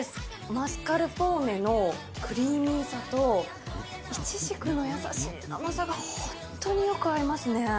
マスカルポーネのクリーミーさと、イチジクの優しい甘さが本当によく合いますね。